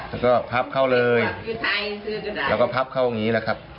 แล้วก็พับเข้าเลยแล้วก็พับเข้าอย่างนี้แหละครับ